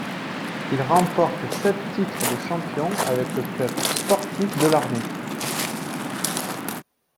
Il remporte sept titres de champion avec le club sportif de l'armée.